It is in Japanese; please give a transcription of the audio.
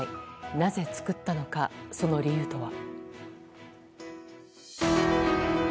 なぜ作ったのか、その理由とは。